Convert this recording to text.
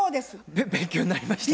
べ勉強になりました。